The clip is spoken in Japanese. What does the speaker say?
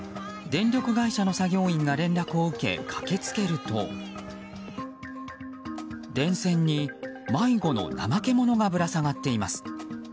電力会社の作業員が連絡を受け駆け付けると電線に迷子のナマケモノがぶら下がっています。